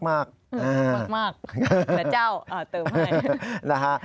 มากเดี๋ยวเจ้าเติมให้นะฮะ